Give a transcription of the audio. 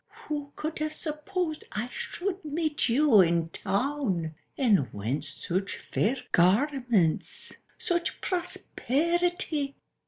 Who could have supposed I should meet you in Town? And whence such fair garments, such prosperi ty?"